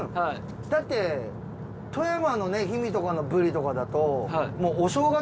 だって富山のね氷見とかのブリとかだとお正月